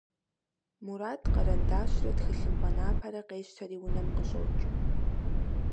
Мурат къэрэндащрэ тхылъымпӀэ напэрэ къещтэри унэм къыщӀокӀ.